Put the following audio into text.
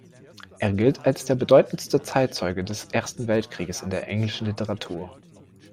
Er gilt als der bedeutendste Zeitzeuge des Ersten Weltkriegs in der englischen Literatur.